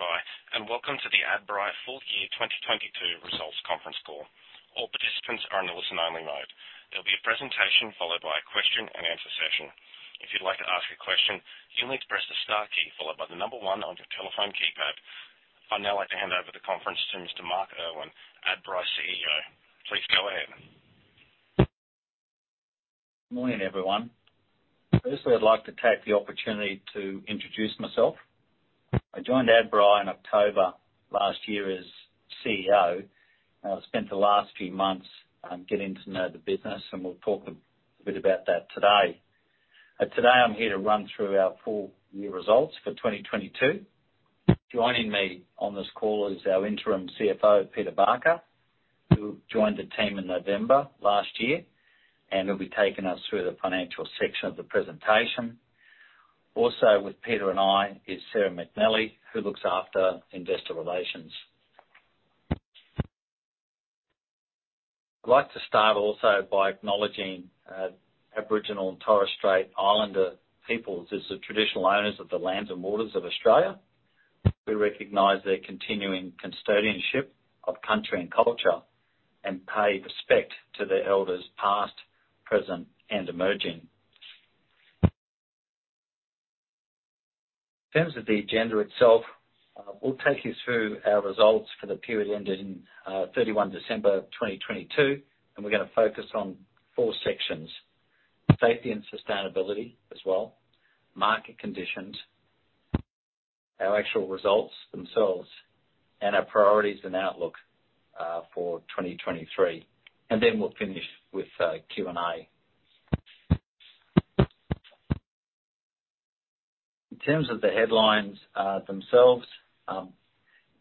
Thank you for standing by, and welcome to the Adbri Full Year 2022 Results Conference Call. All participants are on a listen-only mode. There will be a presentation followed by a question and answer session. If you'd like to ask a question, you may press the star key followed by the number one on your telephone keypad. I'd now like to hand over the conference to Mr. Mark Irwin, Adbri's CEO. Please go ahead. Morning, everyone. Firstly, I'd like to take the opportunity to introduce myself. I joined Adbri in October last year as CEO. I've spent the last few months getting to know the business, and we'll talk a bit about that today. Today, I'm here to run through our full year results for 2022. Joining me on this call is our Interim CFO, Peter Barker, who joined the team in November last year, and he'll be taking us through the financial section of the presentation. Also with Peter and I is Sarah McNally, who looks after investor relations. I'd like to start also by acknowledging Aboriginal and Torres Strait Islander peoples as the traditional owners of the lands and waters of Australia. We recognize their continuing custodianship of country and culture and pay respect to their elders, past, present, and emerging. In terms of the agenda itself, we'll take you through our results for the period ending 31 December 2022, and we're gonna focus on four sections: safety and sustainability as well, market conditions, our actual results themselves, and our priorities and outlook for 2023. We'll finish with Q&A. In terms of the headlines themselves,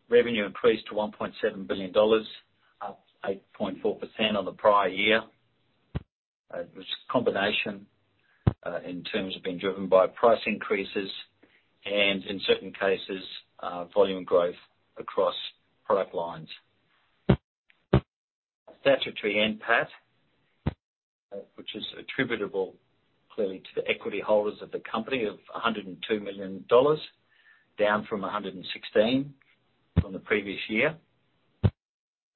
revenue increased to 1.7 billion dollars, up 8.4% on the prior year. It was a combination in terms of being driven by price increases and in certain cases, volume growth across product lines. Statutory NPAT, which is attributable clearly to the equity holders of the company of 102 million dollars, down from 116 million from the previous year.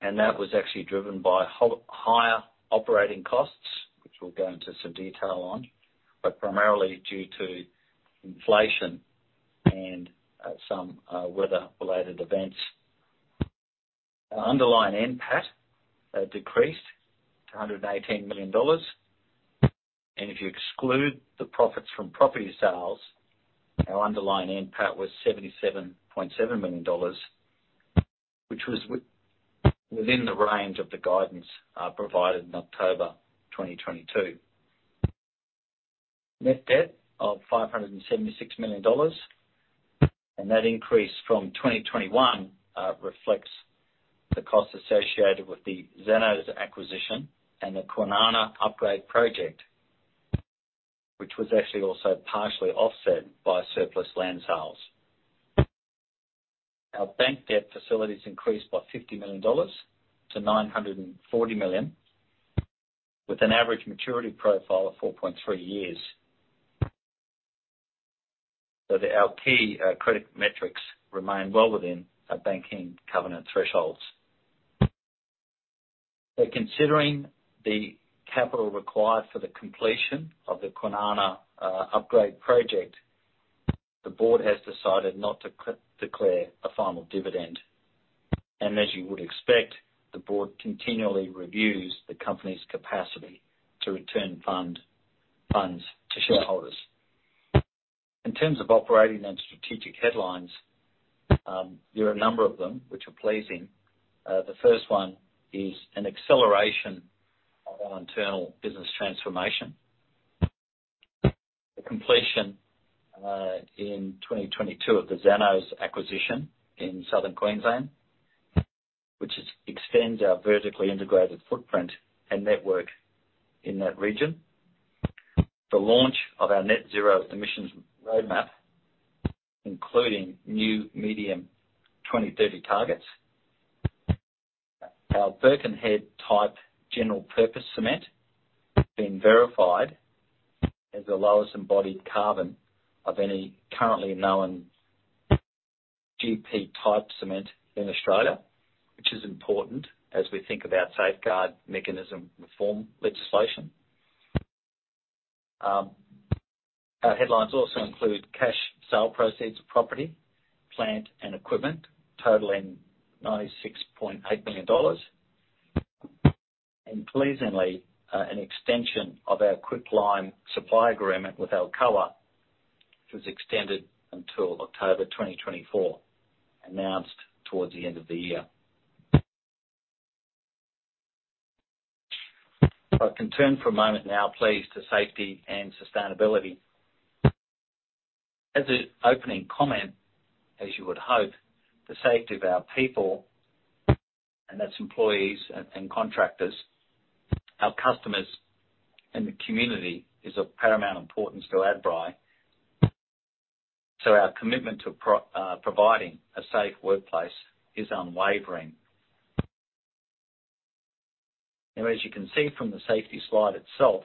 That was actually driven by higher operating costs, which we'll go into some detail on, but primarily due to inflation and some weather-related events. Our underlying NPAT decreased to 118 million dollars. If you exclude the profits from property sales, our underlying NPAT was AUD 77.7 million, which was within the range of the guidance provided in October 2022. Net debt of 576 million dollars. That increase from 2021 reflects the cost associated with the Zanows acquisition and the Kwinana upgrade project, which was actually also partially offset by surplus land sales. Our bank debt facilities increased by 50 million dollars to 940 million, with an average maturity profile of 4.3 years. Our key credit metrics remain well within our banking covenant thresholds. Considering the capital required for the completion of the Kwinana upgrade project, the Board has decided not to declare a final dividend. As you would expect, the Board continually reviews the company's capacity to return funds to shareholders. In terms of operating and strategic headlines, there are a number of them which are pleasing. The first one is an acceleration of our internal business transformation. The completion in 2022 of the Zanows acquisition in Southern Queensland, which extends our vertically integrated footprint and network in that region. The launch of our Net Zero Emissions Roadmap, including new medium 2030 targets. Our Birkenhead-type General Purpose Cement being verified as the lowest embodied carbon of any currently known GP-type cement in Australia, which is important as we think about Safeguard Mechanism reform legislation. Our headlines also include cash sale proceeds of property, plant, and equipment, totaling 96.8 million dollars. Pleasingly, an extension of our quicklime supply agreement with Alcoa, which was extended until October 2024, announced towards the end of the year. If I can turn for a moment now, please, to safety and sustainability. As an opening comment, as you would hope, the safety of our people, and that's employees and contractors, our customers, and the community is of paramount importance to Adbri, so our commitment to providing a safe workplace is unwavering. As you can see from the safety slide itself,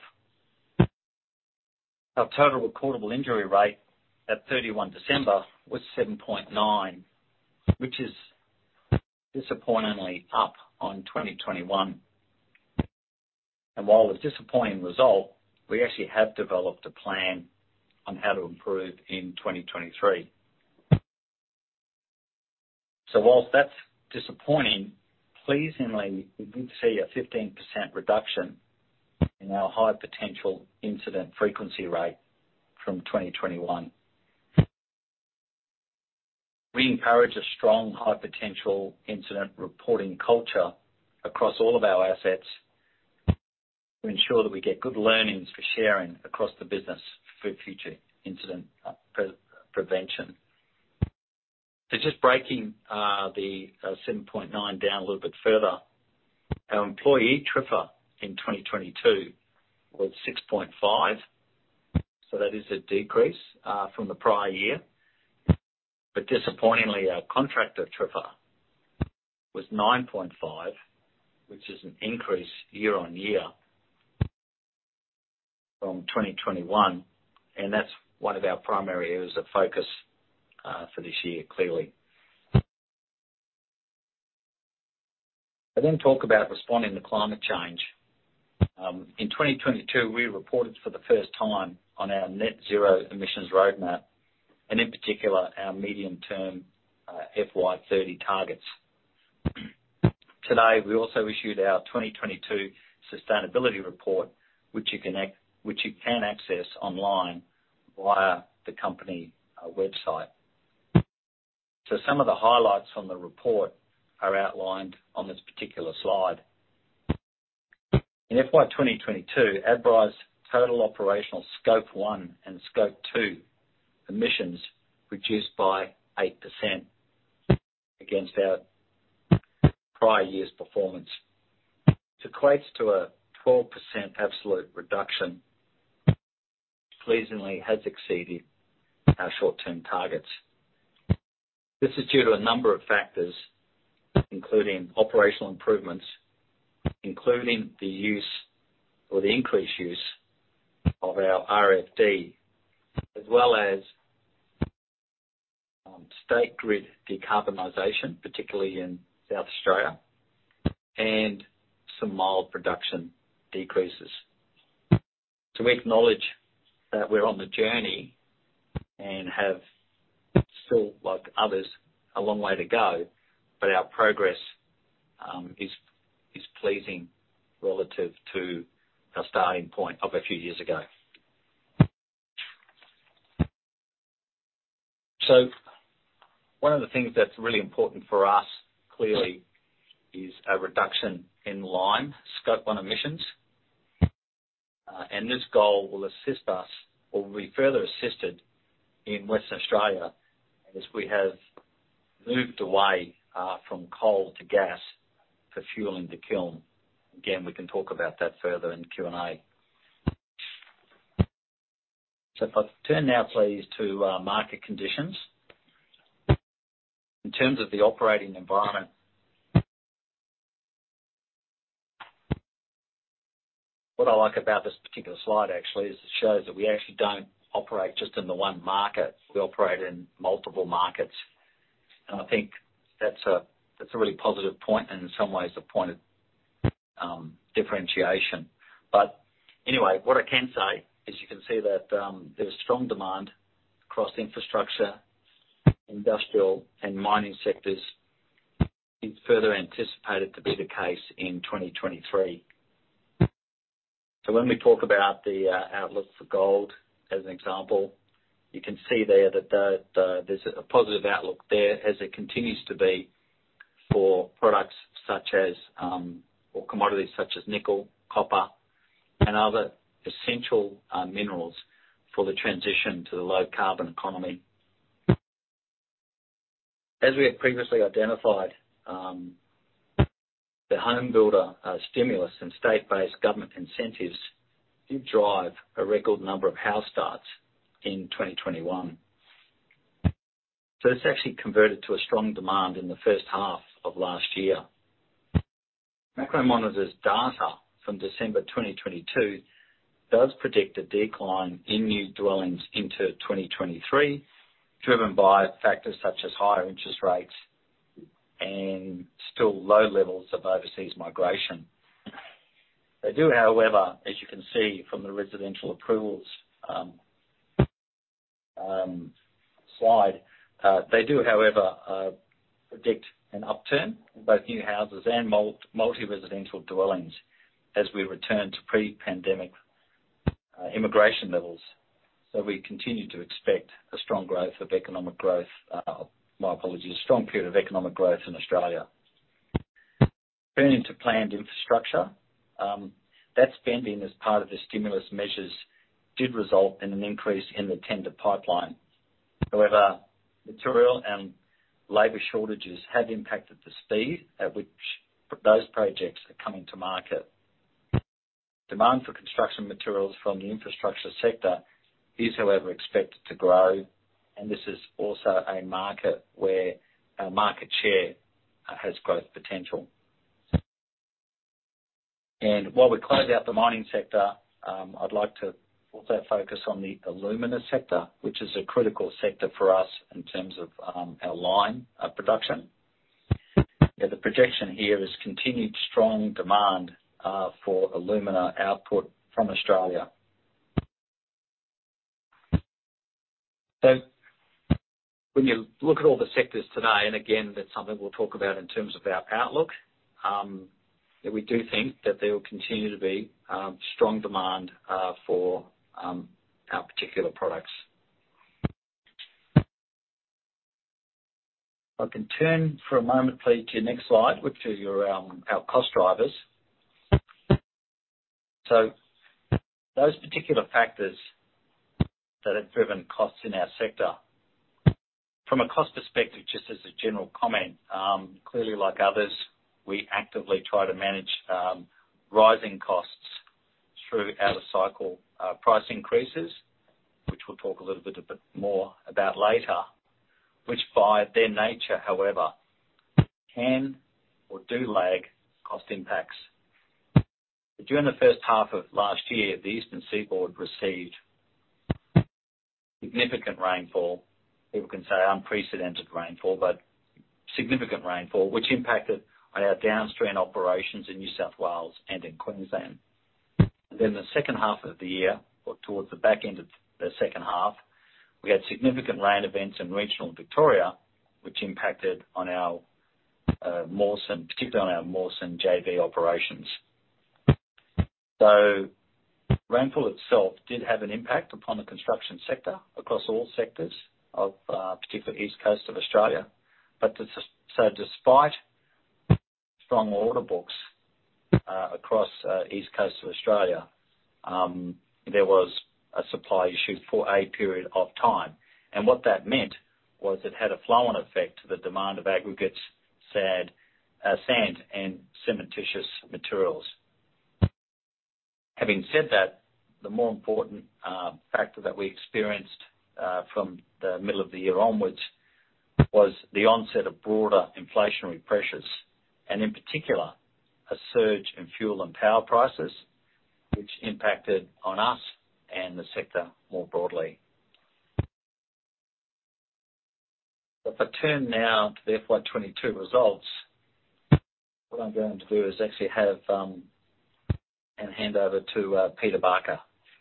our total recordable injury rate at 31 December was 7.9, which is disappointingly up on 2021. While a disappointing result, we actually have developed a plan on how to improve in 2023. Whilst that's disappointing, pleasingly, we did see a 15% reduction in our high potential incident frequency rate from 2021. We encourage a strong high potential incident reporting culture across all of our assets to ensure that we get good learnings for sharing across the business for future incident prevention. Just breaking the 7.9 down a little bit further. Our employee TRIFR in 2022 was 6.5. That is a decrease from the prior year. Disappointingly, our contractor TRIFR was 9.5, which is an increase year-on-year from 2021, and that's one of our primary areas of focus for this year, clearly. I talk about responding to climate change. In 2022, we reported for the first time on our Net Zero Emissions Roadmap, in particular, our medium-term FY 2030 targets. Today, we also issued our 2022 Sustainability Report, which you can access online via the company website. Some of the highlights on the report are outlined on this particular slide. In FY 2022, Adbri's total operational Scope 1 and Scope 2 emissions reduced by 8% against our prior year's performance. This equates to a 12% absolute reduction, pleasingly has exceeded our short-term targets. This is due to a number of factors, including operational improvements, including the use or the increased use of our RDF, as well as state grid decarbonization, particularly in South Australia, and some mild production decreases. We acknowledge that we're on the journey and have still, like others, a long way to go, but our progress is pleasing relative to our starting point of a few years ago. One of the things that's really important for us, clearly, is a reduction in lime Scope 1 emissions. And this goal will assist us or will be further assisted in West Australia as we have moved away from coal to gas for fueling the kiln. Again, we can talk about that further in the Q&A. If I turn now please to market conditions. In terms of the operating environment, what I like about this particular slide actually is it shows that we actually don't operate just in the one market, we operate in multiple markets. I think that's a, that's a really positive point and in some ways a point of differentiation. Anyway, what I can say is you can see that there's strong demand across infrastructure, industrial, and mining sectors. It's further anticipated to be the case in 2023. When we talk about the outlook for gold as an example, you can see there that there's a positive outlook there as it continues to be for products such as, or commodities such as nickel, copper, and other essential minerals for the transition to the low-carbon economy. As we had previously identified, the home builder stimulus and state-based government incentives did drive a record number of house starts in 2021. It's actually converted to a strong demand in the first half of last year. Macromonitor's data from December 2022 does predict a decline in new dwellings into 2023, driven by factors such as higher interest rates and still low levels of overseas migration. They do, however, as you can see from the residential approvals slide, they do, however, predict an upturn in both new houses and multi-residential dwellings as we return to pre-pandemic immigration levels. We continue to expect, my apologies, a strong period of economic growth in Australia. Turning to planned infrastructure, that spending as part of the stimulus measures did result in an increase in the tender pipeline. Material and labor shortages have impacted the speed at which those projects are coming to market. Demand for construction materials from the infrastructure sector is, however, expected to grow, and this is also a market where our market share has growth potential. While we close out the mining sector, I'd like to also focus on the alumina sector, which is a critical sector for us in terms of our lime production. The projection here is continued strong demand for alumina output from Australia. When you look at all the sectors today, and again, that's something we'll talk about in terms of our outlook, that we do think that there will continue to be strong demand for our particular products. I can turn for a moment please to the next slide, which are your, our cost drivers. Those particular factors that have driven costs in our sector. From a cost perspective, just as a general comment, clearly like others, we actively try to manage rising costs through our cycle, price increases, which we'll talk a little bit of it more about later, which by their nature, however, can or do lag cost impacts. During the first half of last year, the Eastern Seaboard received significant rainfall. People can say unprecedented rainfall, but significant rainfall, which impacted on our downstream operations in New South Wales and in Queensland. In the second half of the year, or towards the back end of the second half, we had significant rain events in regional Victoria, which impacted on our Mawson, particularly on our Mawson JV operations. Rainfall itself did have an impact upon the construction sector across all sectors of particularly East Coast of Australia. Despite strong order books across East Coast of Australia, there was a supply issue for a period of time. What that meant was it had a flow on effect to the demand of aggregates, sand, and cementitious materials. Having said that, the more important factor that we experienced from the middle of the year onwards was the onset of broader inflationary pressures, and in particular, a surge in fuel and power prices, which impacted on us and the sector more broadly. If I turn now to the FY 2022 results, what I'm going to do is actually hand over to Peter Barker.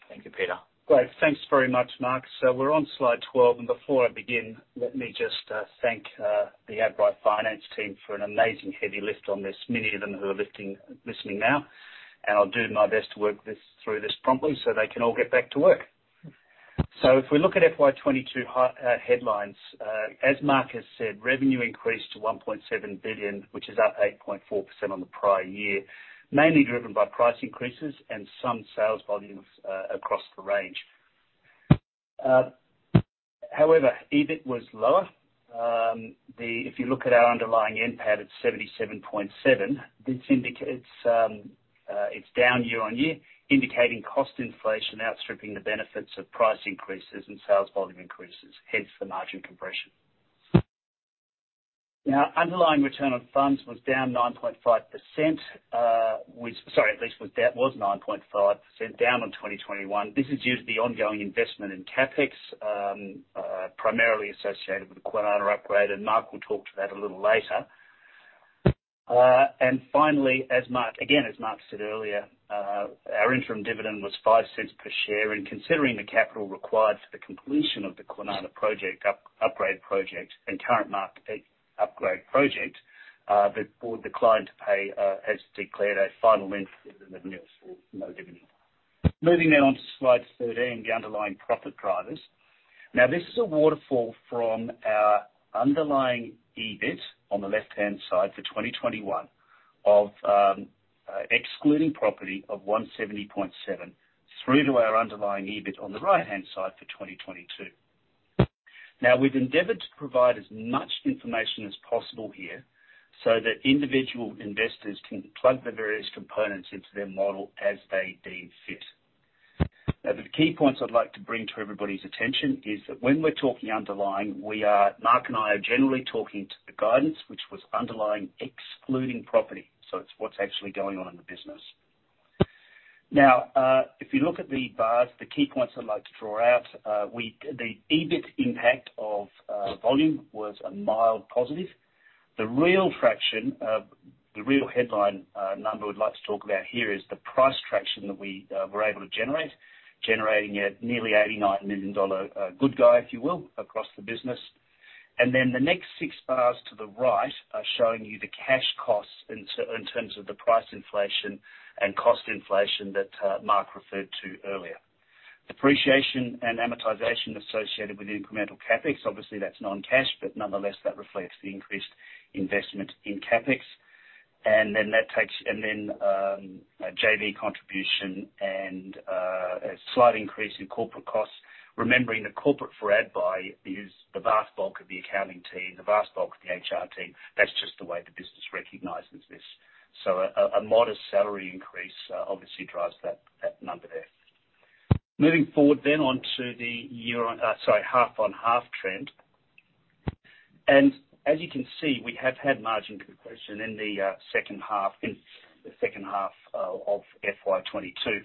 Thank you, Peter. Great. Thanks very much, Mark. We're on Slide 12. Before I begin, let me just thank the Adbri finance team for an amazing heavy lift on this, many of them who are listening now. I'll do my best to work through this promptly, so they can all get back to work. If we look at FY 2022 high headlines, as Mark has said, revenue increased to 1.7 billion, which is up 8.4% on the prior year, mainly driven by price increases and some sales volumes across the range. However, EBIT was lower. If you look at our underlying NPAT, it's 77.7 million. This indicates it's down year-on-year, indicating cost inflation outstripping the benefits of price increases and sales volume increases, hence the margin compression. Underlying return on funds was down 9.5%, which, sorry, at least with that, was 9.5% down on 2021. This is due to the ongoing investment in CapEx, primarily associated with the Kwinana upgrade, and Mark will talk to that a little later. Finally, as Mark, again, as Mark said earlier, our interim dividend was 0.05 per share, and considering the capital required for the completion of the Kwinana project upgrade project and current market upgrade project, the Board declined to pay as declared a final length in the administrator's no dividend. Moving now on to Slide 13, the underlying profit drivers. Now, this is a waterfall from our underlying EBIT on the left-hand side for 2021 of, excluding property of 170.7 through to our underlying EBIT on the right-hand side for 2022. Now, we've endeavored to provide as much information as possible here so that individual investors can plug the various components into their model as they deem fit. Now, the key points I'd like to bring to everybody's attention is that when we're talking underlying, Mark and I are generally talking to the guidance which was underlying excluding property. It's what's actually going on in the business. Now, if you look at the bars, the key points I'd like to draw out, the EBIT impact of volume was a mild positive. The real traction of, the real headline number I would like to talk about here is the price traction that we were able to generate, generating a nearly 89 million dollar good guy, if you will, across the business. The next six bars to the right are showing you the cash costs in terms of the price inflation and cost inflation that Mark referred to earlier. Depreciation and amortization associated with incremental CapEx, obviously that's non-cash, but nonetheless, that reflects the increased investment in CapEx. That takes, and then, a JV contribution and a slight increase in corporate costs. Remembering the corporate for admin is the vast bulk of the accounting team, the vast bulk of the HR team. That's just the way the business recognizes this. A modest salary increase obviously drives that number there. Moving forward then onto the half-on-half trend. As you can see, we have had margin compression in the second half of FY 2022,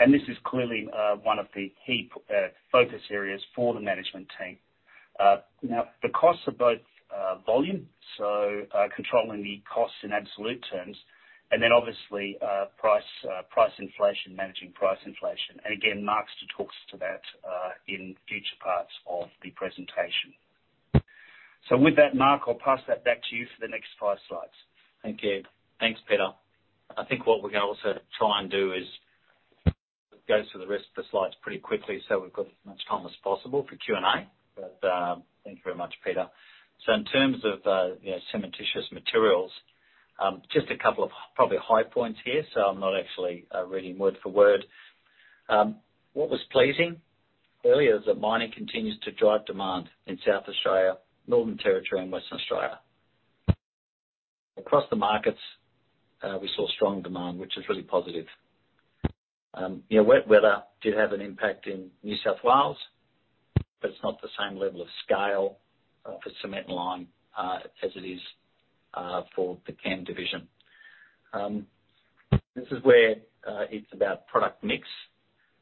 and this is clearly one of the key focus areas for the management team. Now the costs are both volume, so controlling the costs in absolute terms, and then obviously price inflation, managing price inflation. Again, Mark's to talk to that in future parts of the presentation. With that, Mark, I'll pass that back to you for the next five slides. Thank you. Thanks, Peter. I think what we're gonna also try and do is go through the rest of the slides pretty quickly, so we've got as much time as possible for Q&A. Thank you very much, Peter. In terms of, you know, cementitious materials, just a couple of probably high points here, so I'm not actually reading word for word. What was pleasing really is that mining continues to drive demand in South Australia, Northern Territory, and Western Australia. Across the markets, we saw strong demand, which is really positive. You know, wet weather did have an impact in New South Wales, but it's not the same level of scale for cement and lime as it is for the CAM division. This is where it's about product mix,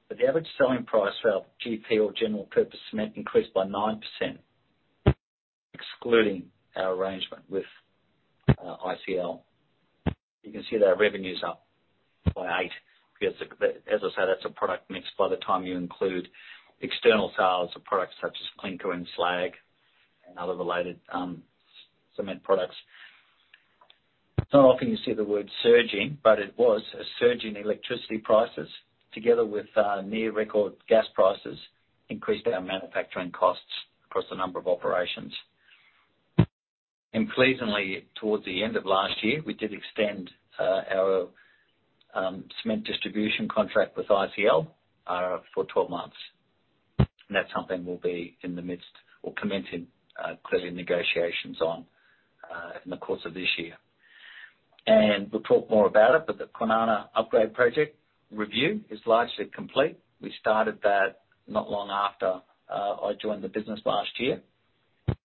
but the average selling price for our GP or General Purpose Cement increased by 9%, excluding our arrangement with ICL. You can see that revenue's up by 8%. As I say, that's a product mix by the time you include external sales of products such as clinker and slag and other related cement products. It's not often you see the word surging, but it was a surge in electricity prices together with near record gas prices increased our manufacturing costs across a number of operations. Pleasantly, towards the end of last year, we did extend our cement distribution contract with ICL for 12 months. That's something we'll be in the midst or commencing clearly negotiations on in the course of this year. We'll talk more about it. The Kwinana upgrade project review is largely complete. We started that not long after I joined the business last year.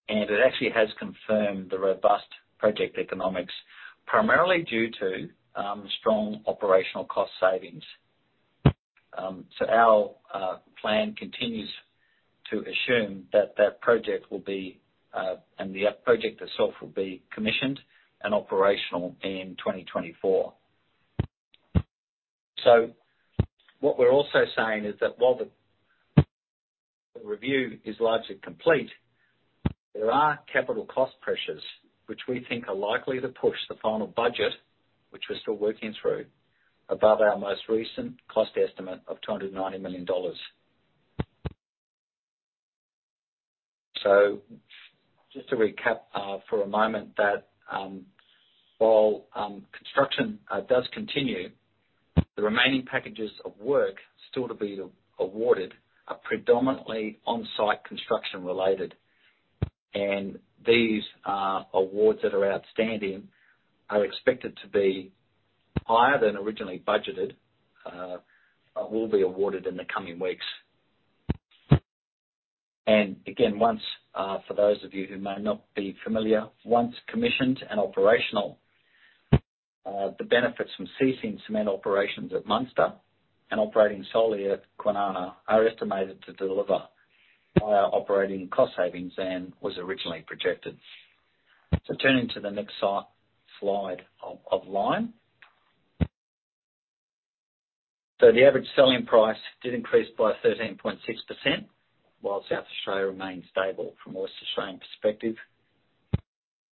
It actually has confirmed the robust project economics, primarily due to strong operational cost savings. Our plan continues to assume that that project will be and the project itself will be commissioned and operational in 2024. What we're also saying is that while the review is largely complete, there are capital cost pressures which we think are likely to push the final budget, which we're still working through, above our most recent cost estimate of 290 million dollars. Just to recap for a moment that while construction does continue, the remaining packages of work still to be awarded are predominantly on-site construction related. These awards that are outstanding are expected to be higher than originally budgeted, will be awarded in the coming weeks. Again, once, for those of you who may not be familiar, once commissioned and operational, the benefits from ceasing cement operations at Munster and operating solely at Kwinana are estimated to deliver higher operating cost savings than was originally projected. Turning to the next slide of lime. The average selling price did increase by 13.6%, while South Australia remained stable from West Australian perspective.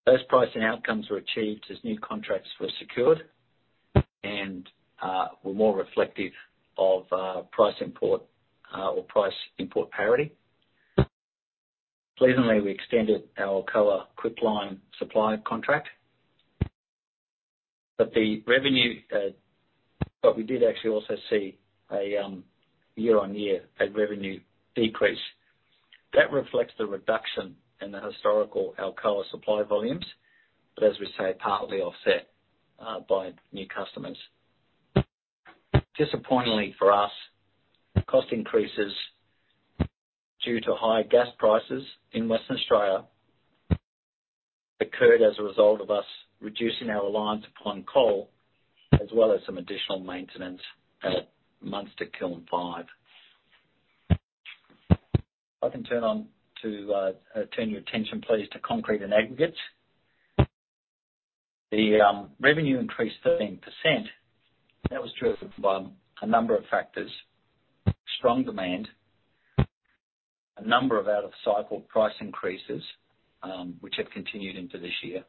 Those pricing outcomes were achieved as new contracts were secured and were more reflective of price import or price import parity. Pleasantly, we extended our Alcoa quicklime supply contract. We did actually also see a year-on-year [av] revenue decrease. That reflects the reduction in the historical Alcoa supply volumes, as we say, partly offset by new customers. Disappointingly for us, cost increases due to higher gas prices in Western Australia occurred as a result of us reducing our reliance upon coal, as well as some additional maintenance at Munster Kiln 5. If I can turn on to turn your attention please to concrete and aggregates. The revenue increased 13%. That was driven by a number of factors: strong demand, a number of out-of-cycle price increases, which have continued into this year,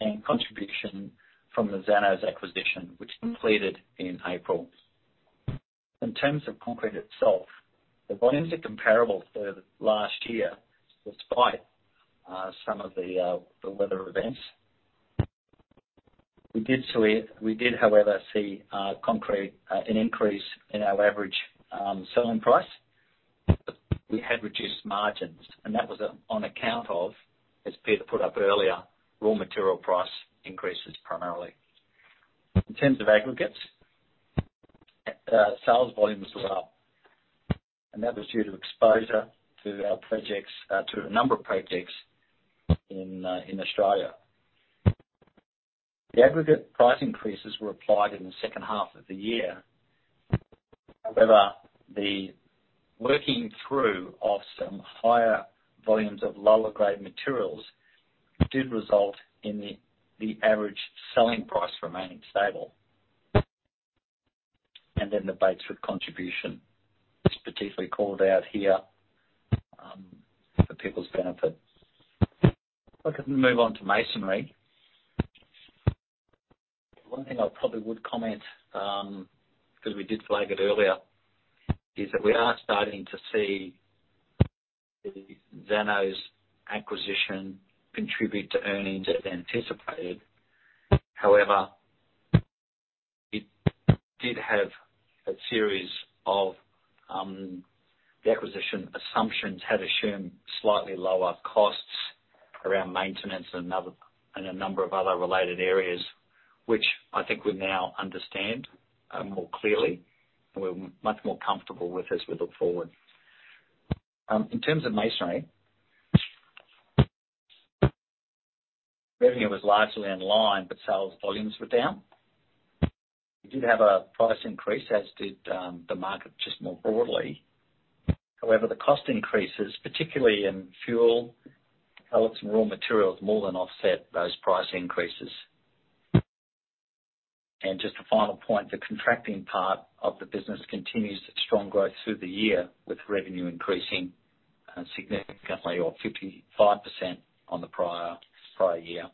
and contribution from the Zanows acquisition, which completed in April. In terms of concrete itself, the volumes are comparable for the last year, despite some of the weather events. We did, however, see concrete an increase in our average selling price. We had reduced margins, that was on account of, as Peter put up earlier, raw material price increases primarily. In terms of aggregates, sales volumes were up, that was due to exposure to our projects, to a number of projects in Australia. The aggregate price increases were applied in the second half of the year. However, the working through of some higher volumes of lower grade materials did result in the average selling price remaining stable. The Batesford contribution is particularly called out here for people's benefit. If we can move on to masonry. One thing I probably would comment, 'cause we did flag it earlier, is that we are starting to see the Zanows acquisition contribute to earnings as anticipated. However, it did have a series of, the acquisition assumptions had assumed slightly lower costs around maintenance and other, and a number of other related areas, which I think we now understand more clearly and we're much more comfortable with as we look forward. In terms of masonry, revenue was largely in line, but sales volumes were down. We did have a price increase, as did the market, just more broadly. However, the cost increases, particularly in fuel, products and raw materials, more than offset those price increases. Just a final point, the contracting part of the business continues its strong growth through the year, with revenue increasing significantly or 55% on the prior year.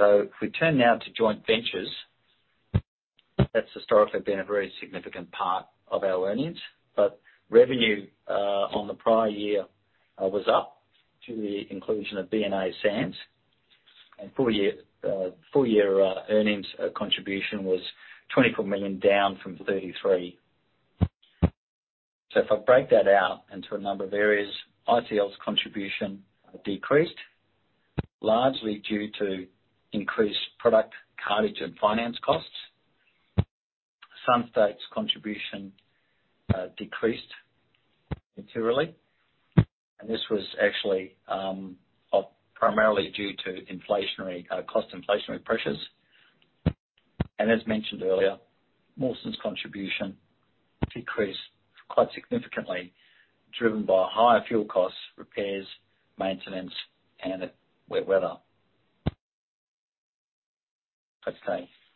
If we turn now to joint ventures, that's historically been a very significant part of our earnings, but revenue on the prior year was up due to the inclusion of B&A Sands and full year earnings contribution was 24 million, down from 33 million. If I break that out into a number of areas, ICL's contribution decreased largely due to increased product cartage and finance costs. Sunstate's contribution decreased materially, and this was actually primarily due to inflationary cost inflationary pressures. As mentioned earlier, Mawsons' contribution decreased quite significantly, driven by higher fuel costs, repairs, maintenance, and wet weather.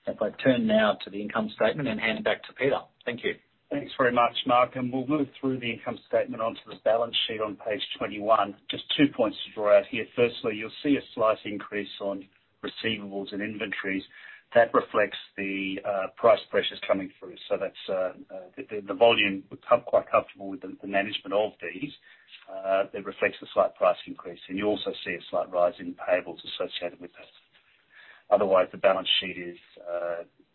If I turn now to the income statement and hand back to Peter. Thank you. Thanks very much, Mark. We'll move through the income statement onto the balance sheet on page 21. Just two points to draw out here. Firstly, you'll see a slight increase on receivables and inventories. That reflects the volume. We're quite comfortable with the management of these. It reflects a slight price increase, and you also see a slight rise in payables associated with that. Otherwise, the balance sheet is,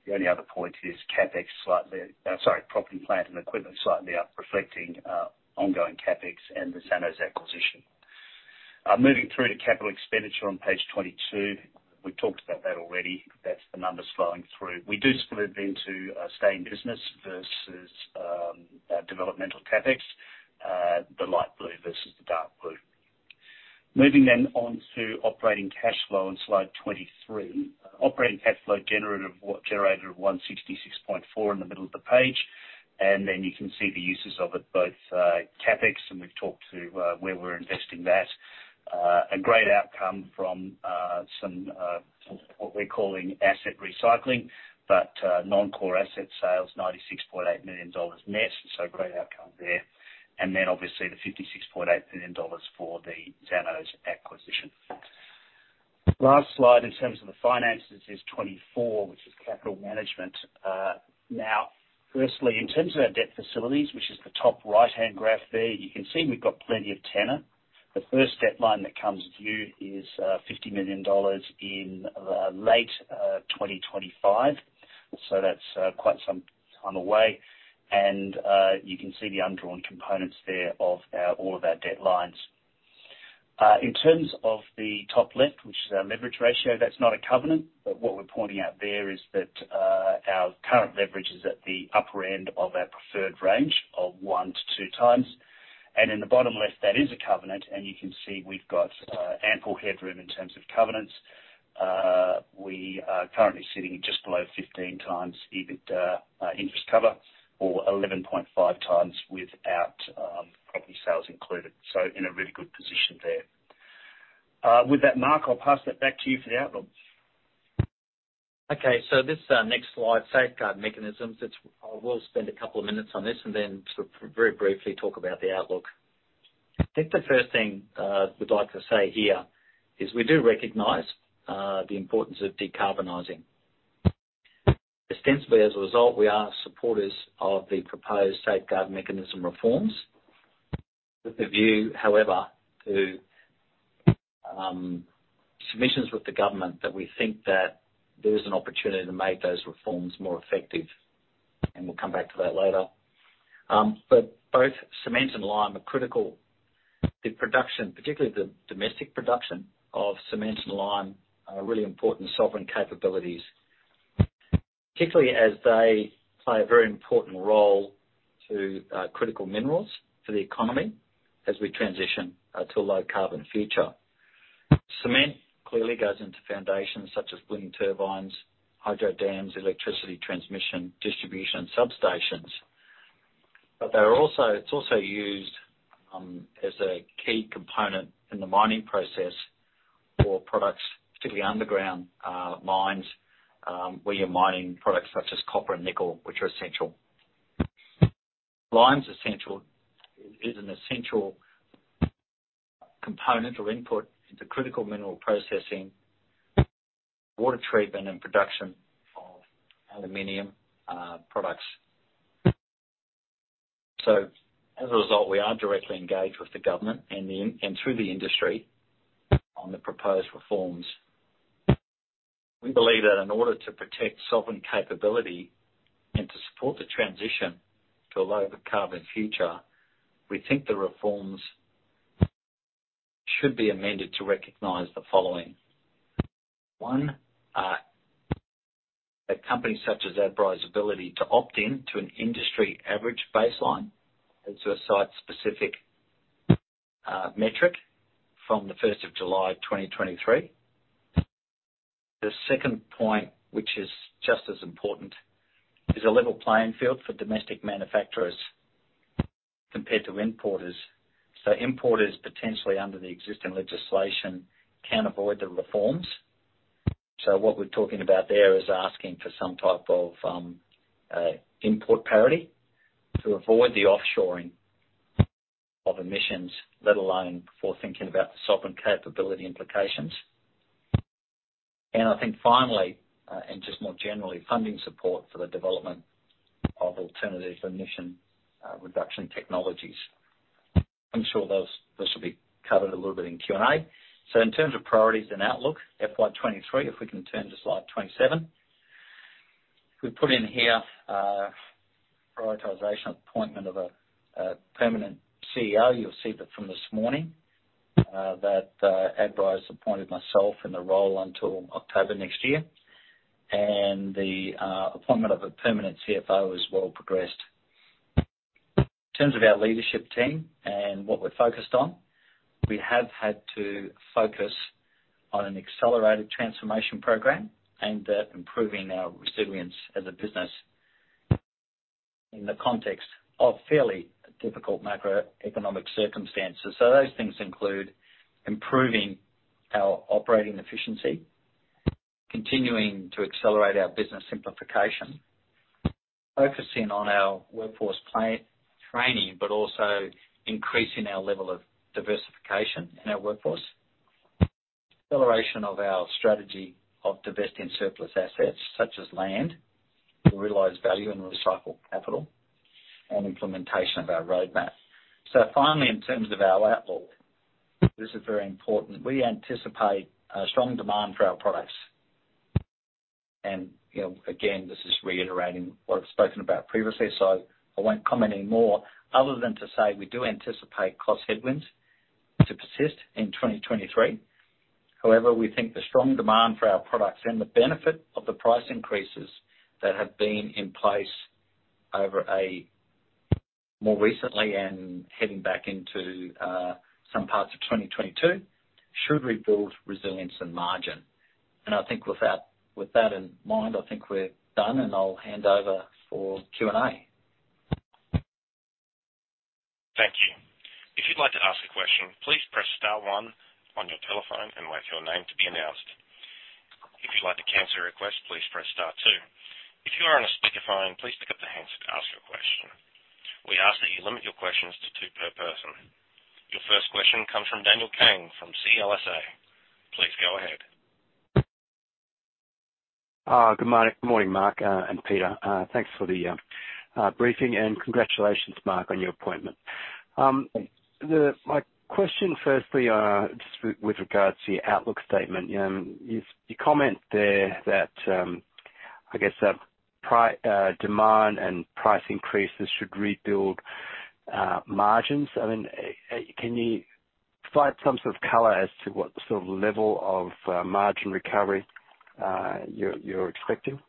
the only other point is CapEx slightly. Sorry, property, plant and equipment slightly up, reflecting ongoing CapEx and the Zanows acquisition. Moving through to capital expenditure on page 22. We've talked about that already. That's the numbers flowing through. We do split into stay in business versus developmental CapEx, the light blue versus the dark blue. Moving on to operating cash flow on Slide 23. Operating cash flow generated 166.4 million in the middle of the page, and then you can see the uses of it, both CapEx, and we've talked to where we're investing that. A great outcome from some sort of what we're calling asset recycling, but non-core asset sales, 96.8 million dollars net, so great outcome there. Then obviously the 56.8 million dollars for the Zanows acquisition. Last slide in terms of the finances is 24, which is capital management. Now, firstly, in terms of our debt facilities, which is the top right-hand graph there, you can see we've got plenty of tenor. The first debt line that comes due is 50 million dollars in late 2025. That's quite some time away. You can see the undrawn components there of all of our debt lines. In terms of the top left, which is our leverage ratio, that's not a covenant, but what we're pointing out there is that our current leverage is at the upper end of our preferred range of 1x-2x. In the bottom left, that is a covenant, and you can see we've got ample headroom in terms of covenants. We are currently sitting just below 15x EBITDA interest cover or 11.5x without property sales included. In a really good position there. With that, Mark, I'll pass it back to you for the outlook. Okay. This next slide, Safeguard Mechanism. It's. I will spend a couple of minutes on this and then very briefly talk about the outlook. I think the first thing we'd like to say here is we do recognize the importance of decarbonizing. Ostensibly as a result, we are supporters of the proposed Safeguard Mechanism reforms. With the view, however, to submissions with the government that we think that there is an opportunity to make those reforms more effective, and we'll come back to that later. Both cement and lime are critical. The production, particularly the domestic production of cement and lime are really important sovereign capabilities. Particularly as they play a very important role to critical minerals for the economy as we transition to a low-carbon future. Cement clearly goes into foundations such as wind turbines, hydro dams, electricity transmission, distribution substations. It's also used as a key component in the mining process for products, particularly underground mines where you're mining products such as copper and nickel, which are essential. Lime's essential is an essential component or input into critical mineral processing, water treatment and production of aluminum products. As a result, we are directly engaged with the government and through the industry on the proposed reforms. We believe that in order to protect sovereign capability and to support the transition to a lower carbon future, we think the reforms should be amended to recognize the following. One, that companies such as Adbri's ability to opt in to an industry average baseline as to a site-specific metric from the 1st of July, 2023. The second point, which is just as important, is a level playing field for domestic manufacturers compared to importers. Importers, potentially under the existing legislation, can avoid the reforms. What we're talking about there is asking for some type of import parity to avoid the offshoring of emissions, let alone before thinking about the sovereign capability implications. I think finally, and just more generally, funding support for the development of alternative emission reduction technologies. I'm sure this will be covered a little bit in Q&A. In terms of priorities and outlook, FY 2023, if we can turn to Slide 27. We put in here, prioritization appointment of a permanent CEO. You'll see that from this morning, that Adbri's appointed myself in the role until October next year. The appointment of a permanent CFO is well progressed. In terms of our leadership team and what we're focused on, we have had to focus on an accelerated transformation program and improving our resilience as a business in the context of fairly difficult macroeconomic circumstances. Those things include improving our operating efficiency, continuing to accelerate our business simplification, focusing on our workforce plan training, but also increasing our level of diversification in our workforce. Acceleration of our strategy of divesting surplus assets such as land to realize value and recycle capital, and implementation of our roadmap. Finally, in terms of our outlook, this is very important. We anticipate a strong demand for our products. And, you know, again, this is reiterating what I've spoken about previously, so I won't comment any more other than to say we do anticipate cost headwinds to persist in 2023. However, we think the strong demand for our products and the benefit of the price increases that have been in place over a more recently and heading back into some parts of 2022 should rebuild resilience and margin. I think with that in mind, I think we're done, and I'll hand over for Q&A. Thank you. If you'd like to ask a question, please press star one on your telephone and wait for your name to be announced. If you'd like to cancel your request, please press star two. If you are on a speakerphone, please pick up the handset to ask your question. We ask that you limit your questions to two per person. Your first question comes from Daniel Kang from CLSA. Please go ahead. Good morning, Mark, and Peter. Thanks for the briefing, and congratulations, Mark, on your appointment. My question firstly, just with regards to your outlook statement. You comment there that, I guess that demand and price increases should rebuild margins. I mean, can you provide some sort of color as to what sort of level of margin recovery you're expecting?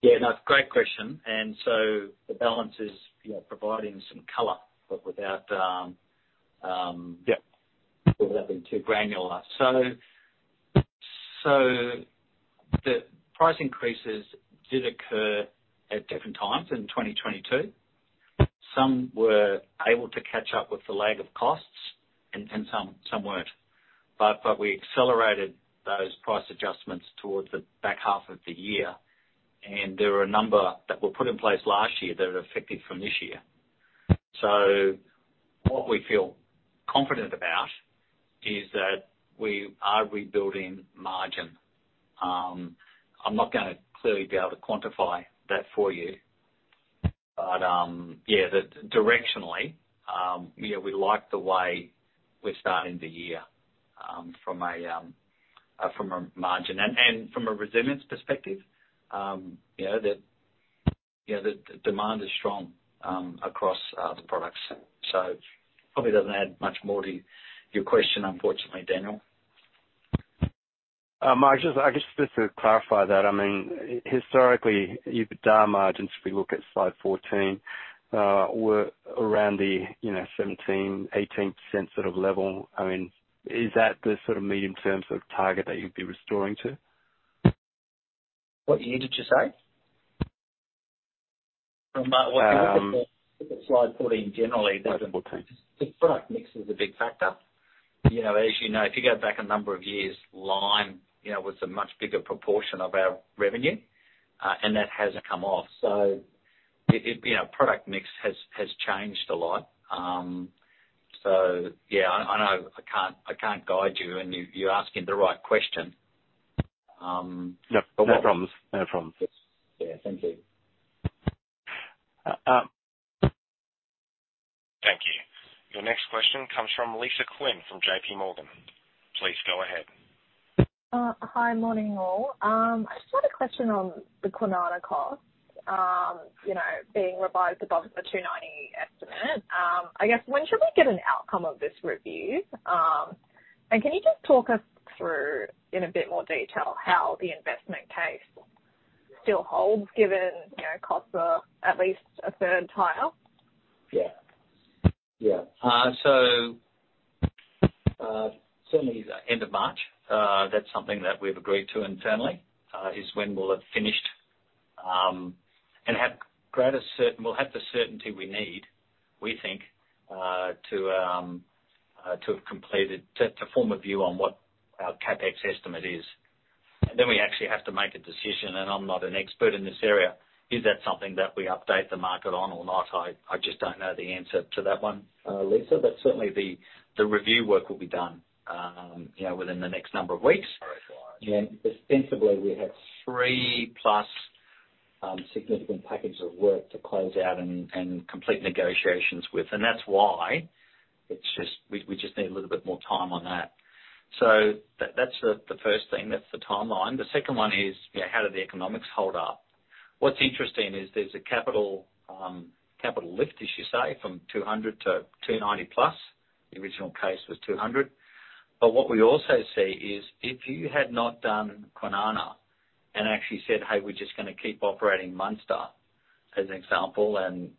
Yeah, no, great question. The balance is, you know, providing some color, but without. Yeah. Without being too granular. The price increases did occur at different times in 2022. Some were able to catch up with the lag of costs and some weren't. We accelerated those price adjustments towards the back half of the year, and there are a number that were put in place last year that are effective from this year. We are rebuilding margin. I'm not gonna clearly be able to quantify that for you, but directionally, you know, we like the way we're starting the year from a margin. From a resilience perspective, the demand is strong across the products. Probably doesn't add much more to your question, unfortunately, Daniel. Mark, just, I guess, just to clarify that, I mean, historically, EBITDA margins, if we look at Slide 14, were around the, you know, 17%-18% sort of level. I mean, is that the sort of medium-term sort of target that you'd be restoring to? What year did you say? From, when you look at the, look at Slide 14 generally. Slide 14. The product mix is a big factor. You know, as you know, if you go back a number of years, lime, you know, was a much bigger proportion of our revenue, and that hasn't come off. It, you know, product mix has changed a lot. Yeah, I know I can't, I can't guide you, and you're asking the right question. No, no problems. No problems. Yeah, thank you. Thank you. Your next question comes from [Lisa Quinn] from JPMorgan. Please go ahead. Hi. Morning, all. I just had a question on the Kwinana cost, you know, being revised above the 290 million estimate. I guess when should we get an outcome of this review? Can you just talk us through in a bit more detail how the investment case still holds, given, you know, costs are at least a third higher? Yeah. Yeah. Certainly the end of March, that's something that we've agreed to internally, is when we'll have finished and have the certainty we need, we think, to have completed to form a view on what our CapEx estimate is. Then we actually have to make a decision, and I'm not an expert in this area. Is that something that we update the market on or not? I just don't know the answer to that one, Lisa, but certainly the review work will be done, you know, within the next number of weeks. Ostensibly, we have three-plus significant packages of work to close out and complete negotiations with. That's why we just need a little bit more time on that. That's the first thing. That's the timeline. The second one is, you know, how do the economics hold up? What's interesting is there's a capital, capital lift, as you say, from 200 million to 290 million+. The original case was 200 million. What we also see is if you had not done Kwinana and actually said, "Hey, we're just gonna keep operating Munster," as an example, and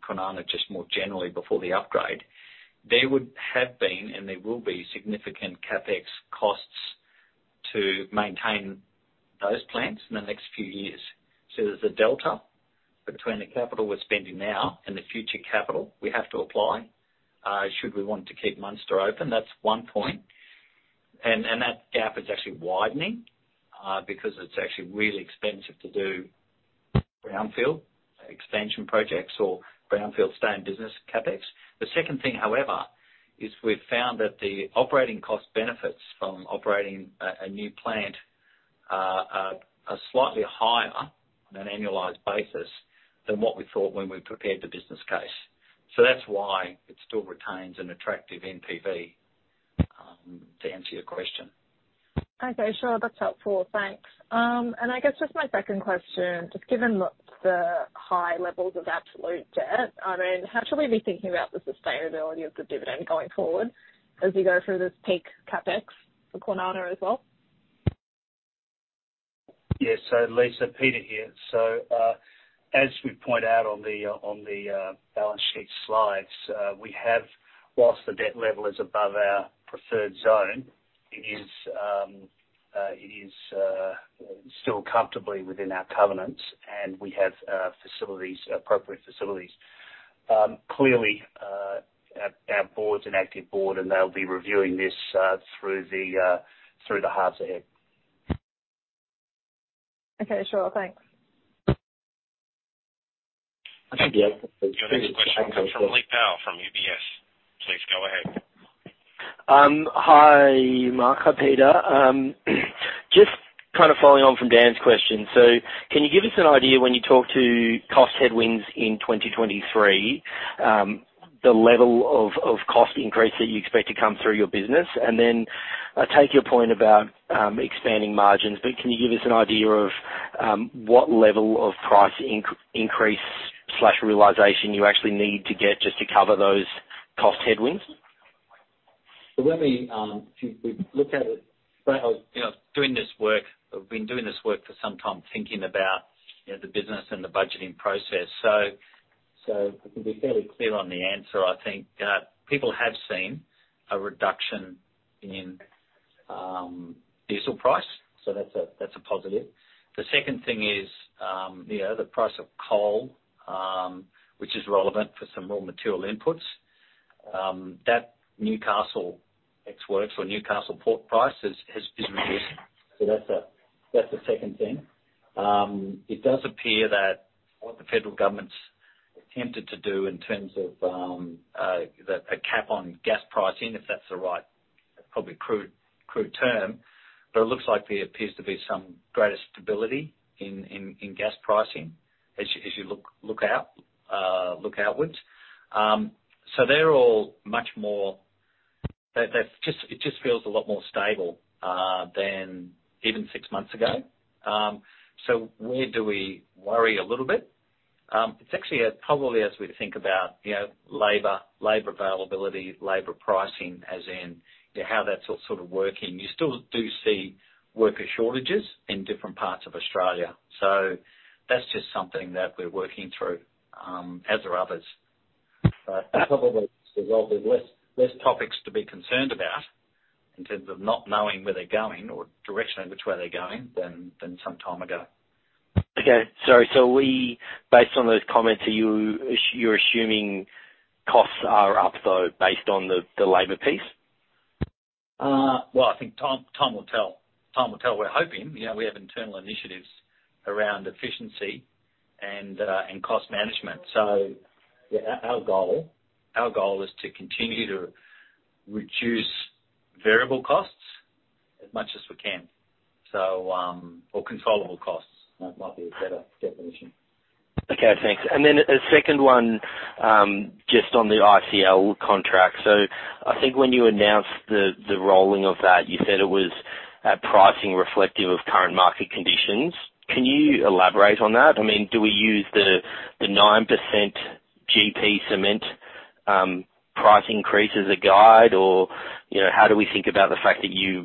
Kwinana just more generally before the upgrade, there would have been and there will be significant CapEx costs to maintain those plants in the next few years. There's a delta between the capital we're spending now and the future capital we have to apply, should we want to keep Munster open. That's one point. That gap is actually widening, because it's actually really expensive to do greenfield extension projects or brownfield stay in business CapEx. The second thing, however, is we've found that the operating cost benefits from operating a new plant are slightly higher on an annualized basis than what we thought when we prepared the business case. That's why it still retains an attractive NPV, to answer your question. Okay, sure. That's helpful. Thanks. I guess just my second question, just given the high levels of absolute debt, I mean, how should we be thinking about the sustainability of the dividend going forward as we go through this peak CapEx for Kwinana as well? Lisa, Peter here. As we point out on the balance sheet slides, we have, whilst the debt level is above our preferred zone, it is still comfortably within our covenants, and we have facilities, appropriate facilities. Clearly, our Board's an active board, and they'll be reviewing this through the halves ahead. Okay, sure. Thanks. Thank you. Your next question comes from Lee Power from UBS. Please go ahead. Hi, Mark. Hi, Peter. Just kind of following on from Dan's question. Can you give us an idea when you talk to cost headwinds in 2023, the level of cost increase that you expect to come through your business? I take your point about expanding margins, but can you give us an idea of what level of price increase, price realization you actually need to get just to cover those cost headwinds? Let me, if we look at it, when I was, you know, doing this work, I've been doing this work for some time, thinking about, you know, the business and the budgeting process. I can be fairly clear on the answer. I think people have seen a reduction in diesel price, so that's a, that's a positive. The second thing is, you know, the price of coal, which is relevant for some raw material inputs, that Newcastle export or Newcastle port price is. That's the second thing. It does appear that what the federal government's attempted to do in terms of the, a cap on gas pricing, if that's the right probably crude term. It looks like there appears to be some greater stability in gas pricing as you look out, look outwards. They're all much more, it just feels a lot more stable than even six months ago. Where do we worry a little bit? It's actually probably as we think about, you know, labor availability, labor pricing as in, you know, how that's all sort of working. You still do see worker shortages in different parts of Australia. That's just something that we're working through as are others. That probably involves less topics to be concerned about in terms of not knowing where they're going or direction in which way they're going than some time ago. Okay. Sorry. Based on those comments, are you assuming costs are up, though, based on the labor piece? Well, I think time will tell. Time will tell. We're hoping. You know, we have internal initiatives around efficiency and cost management. Our goal is to continue to reduce variable costs as much as we can. Or controllable costs. That might be a better definition. Okay, thanks. A second one, just on the ICL contract. I think when you announced the rolling of that, you said it was at pricing reflective of current market conditions. Can you elaborate on that? I mean, do we use the 9% GP Cement, price increase as a guide? How do we think about the fact that you're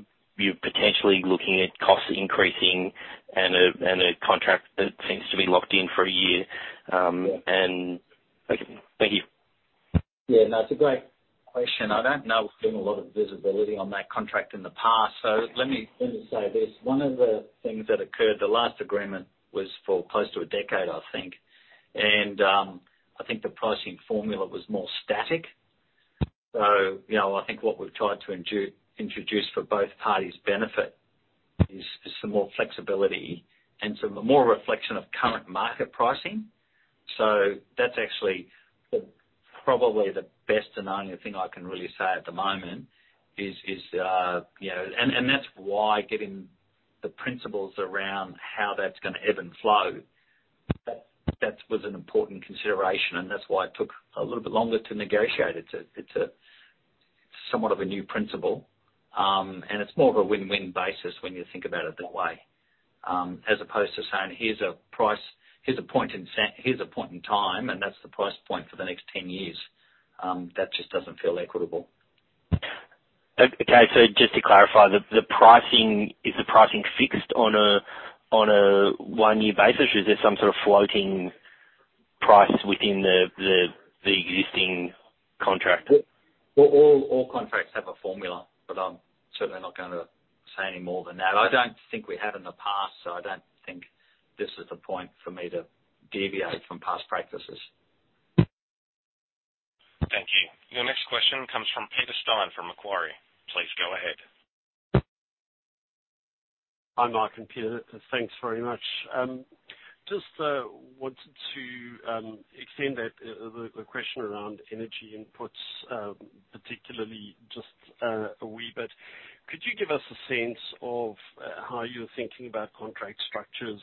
potentially looking at costs increasing and a, and a contract that seems to be locked in for a year? Thank you. Yeah, no, it's a great question. I don't know if we've given a lot of visibility on that contract in the past. Let me, let me say this. One of the things that occurred, the last agreement was for close to a decade, I think. I think the pricing formula was more static. You know, I think what we've tried to introduce for both parties' benefit is some more flexibility and some more reflection of current market pricing. That's actually the, probably the best and only thing I can really say at the moment is, you know. And that's why getting the principles around how that's gonna ebb and flow, that was an important consideration, and that's why it took a little bit longer to negotiate it. It's a, it's somewhat of a new principle, and it's more of a win-win basis when you think about it that way, as opposed to saying, "Here's a price. Here's a point in time, and that's the price point for the next 10 years." That just doesn't feel equitable. Okay. Just to clarify, the pricing, is the pricing fixed on a, on a one-year basis, or is there some sort of floating price within the, the existing contract? All contracts have a formula. I'm certainly not gonna say any more than that. I don't think we have in the past. I don't think this is the point for me to deviate from past practices. Thank you. Your next question comes from Peter Steyn from Macquarie. Please go ahead. Hi, Mike and Peter. Thanks very much. Just wanted to extend that the question around energy inputs, particularly just a wee bit. Could you give us a sense of how you're thinking about contract structures?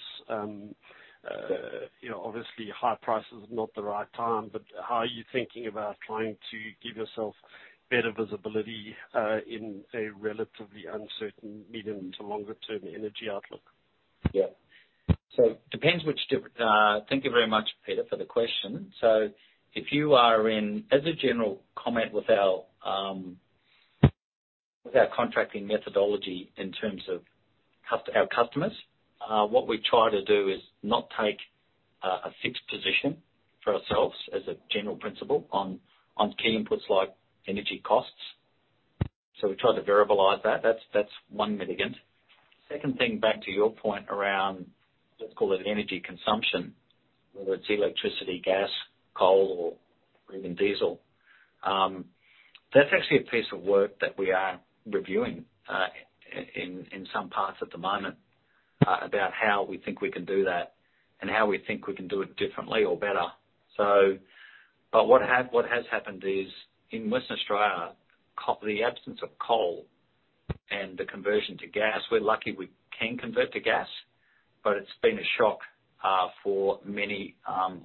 You know, obviously high price is not the right time, but how are you thinking about trying to give yourself better visibility in a relatively uncertain medium to longer term energy outlook? Yeah. Depends which different. Thank you very much, Peter, for the question. If you are in, as a general comment with our contracting methodology in terms of our customers, what we try to do is not take a fixed position for ourselves as a general principle on key inputs like energy costs. We try to variableize that. That's one mitigant. Second thing, back to your point around, let's call it energy consumption, whether it's electricity, gas, coal, or even diesel. That's actually a piece of work that we are reviewing in some parts at the moment about how we think we can do that and how we think we can do it differently or better. But what has happened is in West Australia, the absence of coal and the conversion to gas, we're lucky we can convert to gas, but it's been a shock for many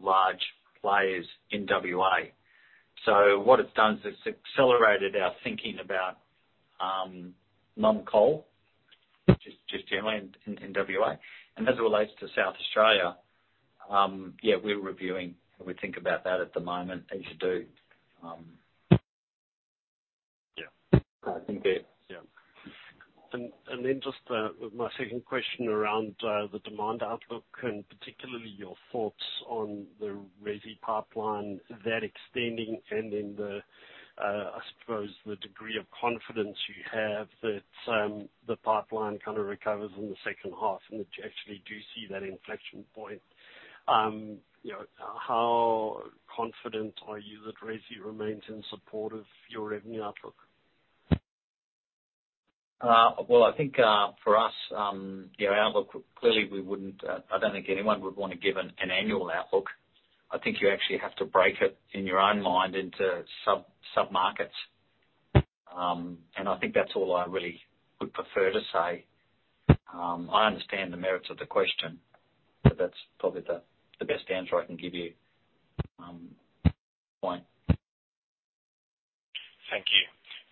large players in WA. What it's done is it's accelerated our thinking about non-coal, just generally in WA. As it relates to South Australia, yeah, we're reviewing how we think about that at the moment as you do. Yeah. And then just, my second question around, the demand outlook and particularly your thoughts on the resi pipeline, that extending and then the, I suppose the degree of confidence you have that, the pipeline kind of recovers in the second half and that you actually do see that inflection point? You know, how confident are you that resi remains in support of your revenue outlook? Well, I think, for us, your outlook, clearly, we wouldn't, I don't think anyone would wanna give an annual outlook. I think you actually have to break it in your own mind into sub-markets. I think that's all I really would prefer to say. I understand the merits of the question, but that's probably the best answer I can give you, Peter. Thank you.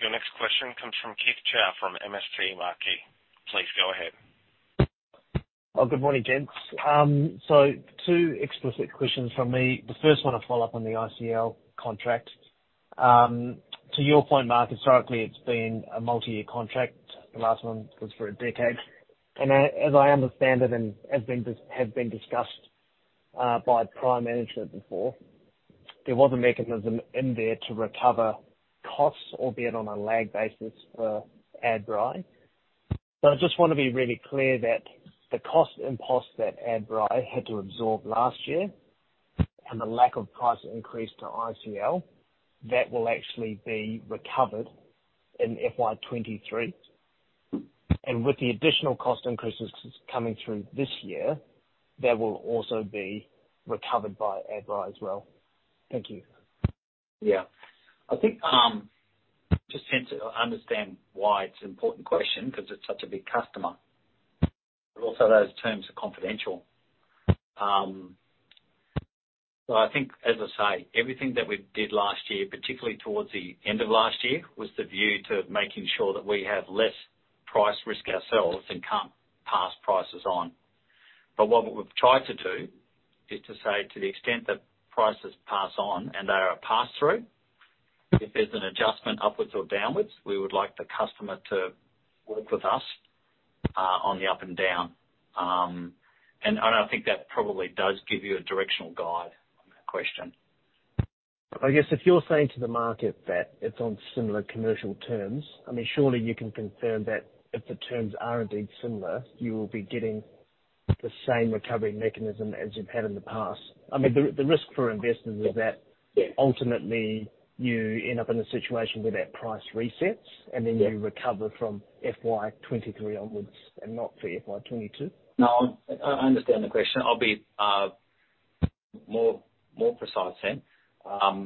Your next question comes from Keith Chau from MST Marquee. Please go ahead. Good morning, gents. Two explicit questions from me. The first one, a follow-up on the ICL contract. To your point, Mark, historically, it's been a multi-year contract. The last one was for a decade. As I understand it, and has been discussed by prime management before, there was a mechanism in there to recover costs, albeit on a lagged basis for Adbri. I just wanna be really clear that the cost impulse that Adbri had to absorb last year and the lack of price increase to ICL, that will actually be recovered in FY 2023. With the additional cost increases coming through this year, that will also be recovered by Adbri as well. Thank you. Yeah. I think, just tend to understand why it's an important question because it's such a big customer, but also those terms are confidential. I think, as I say, everything that we did last year, particularly towards the end of last year, was the view to making sure that we have less price risk ourselves and can't pass prices on. What we've tried to do is to say to the extent that prices pass on and they are a pass-through, if there's an adjustment upwards or downwards, we would like the customer to work with us on the up and down. I think that probably does give you a directional guide on that question. I guess if you're saying to the market that it's on similar commercial terms, I mean, surely you can confirm that if the terms are indeed similar, you will be getting the same recovery mechanism as you've had in the past. I mean, the risk for investors is that. Yeah. Ultimately, you end up in a situation where that price resets, and then. Yeah. You recover from FY 2023 onwards and not for FY 2022. No, I understand the question. I'll be more precise then. Our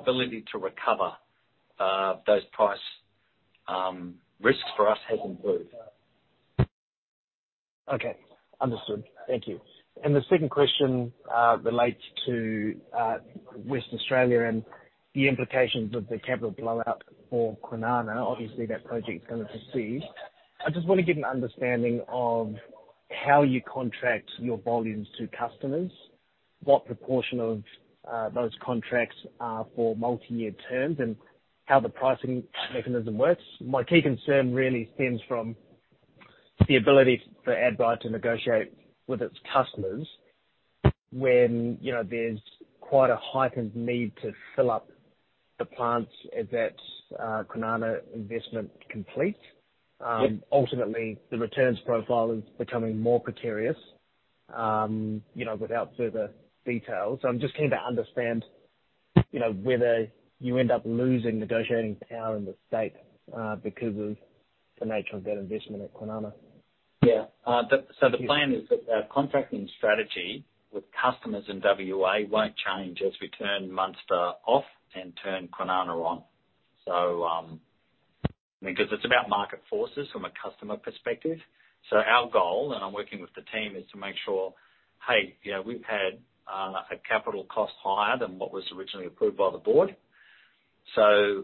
ability to recover those price risks for us has improved. Okay. Understood. Thank you. The second question relates to West Australia and the implications of the capital blowout for Kwinana. Obviously, that project is gonna proceed. I just wanna get an understanding of how you contract your volumes to customers, what proportion of those contracts are for multi-year terms, and how the pricing mechanism works. My key concern really stems from the ability for Adbri to negotiate with its customers when, you know, there's quite a heightened need to fill up the plants as that Kwinana investment completes. Yeah. Ultimately, the returns profile is becoming more precarious, you know, without further details. I'm just keen to understand, you know, whether you end up losing negotiating power in the state because of the nature of that investment at Kwinana. Yeah. The plan is that our contracting strategy with customers in WA won't change as we turn Munster off and turn Kwinana on. Because it's about market forces from a customer perspective. Our goal, and I'm working with the team, is to make sure, hey, you know, we've had a capital cost higher than what was originally approved by the Board.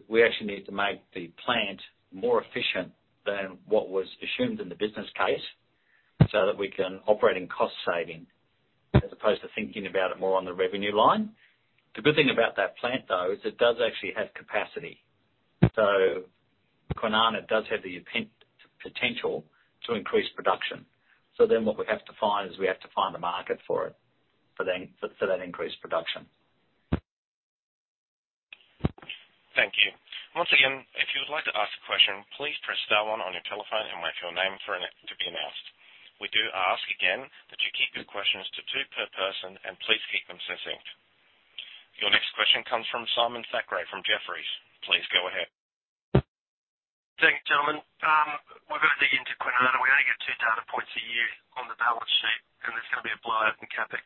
We actually need to make the plant more efficient than what was assumed in the business case so that we can operate in cost saving as opposed to thinking about it more on the revenue line. The good thing about that plant, though, is it does actually have capacity. Kwinana does have the potential to increase production. What we have to find is we have to find a market for that increased production. Thank you. Once again, if you would like to ask a question, please press star one on your telephone and wait for your name for it to be announced. We do ask again that you keep your questions to two per person and please keep them succinct. Your next question comes from Simon Thackray from Jefferies. Please go ahead. Thanks, gentlemen. We're gonna dig into Kwinana. We only get two data points a year on the balance sheet, there's gonna be a blowout in CapEx.